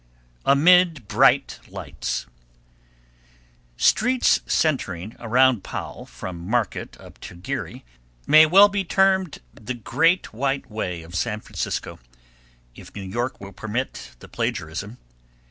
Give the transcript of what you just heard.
Amid Bright Lights Streets centering around Powell from Market up to Geary, may well be termed the "Great White Way" of San Francisco, if New York will permit the plagiarism.